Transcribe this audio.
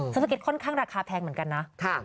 สะเก็ตค่อนข้างราคาแพงเหมือนกันนะ